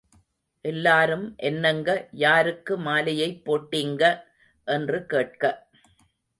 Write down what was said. எல்லாரும், என்னங்க யாருக்கு மாலையைப் போட்டிங்க என்று கேட்க.